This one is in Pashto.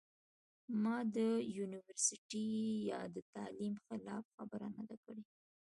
ما د يونيورسټۍ يا د تعليم خلاف خبره نۀ ده کړې